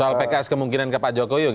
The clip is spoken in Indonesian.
soal pks kemungkinan ke pak jokowi